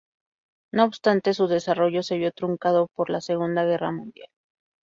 No obstante, su desarrollo se vio truncado por la Segunda Guerra Mundial.